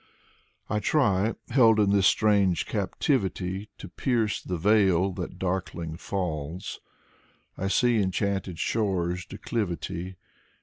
I try, held in this strange captivity, To pierce the veil that darkling falls — I see enchanted shores' declivity.